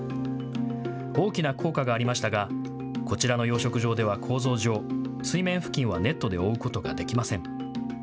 大きな効果がありましたがこちらの養殖場では構造上、水面付近はネットで覆うことができません。